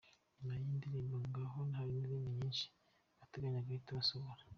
Nyuma y’iyi ndirimbo, ngo hari izindi nyinshi bateganya guhita basohora.